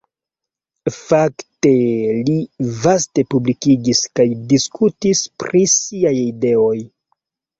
Fakte li vaste publikigis kaj diskutis pri siaj ideoj.